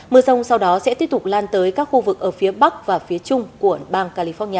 mưa rông sau đó sẽ tiếp tục lan tới các khu vực ở phía bắc và phía trung của bang california